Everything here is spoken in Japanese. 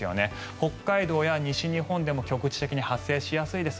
北海道や西日本でも局地的に発生しやすいです。